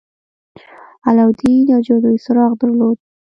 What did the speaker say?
علاوالدين يو جادويي څراغ درلود.